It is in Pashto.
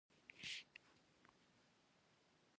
په افغانستان کې د کابل ډیرې ګټورې منابع شتون لري.